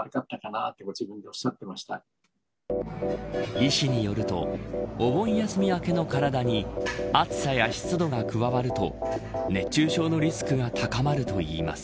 医師によるとお盆休み明けの体に暑さや湿度が加わると熱中症のリスクが高まるといいます。